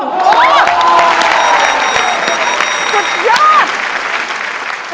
สุดยอด